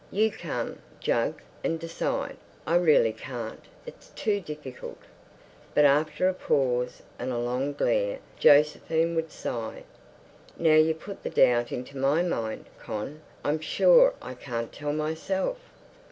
"You come, Jug, and decide. I really can't. It's too difficult." But after a pause and a long glare Josephine would sigh, "Now you've put the doubt into my mind, Con, I'm sure I can't tell myself."